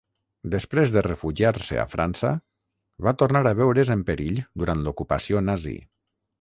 Després de refugiar-se a França, va tornar a veure's en perill durant l'ocupació nazi.